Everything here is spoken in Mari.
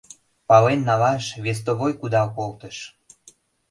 Пален налаш вестовой кудал колтыш.